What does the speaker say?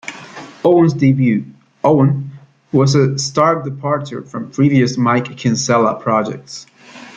Owen's debut, "Owen" was a stark departure from previous Mike Kinsella projects.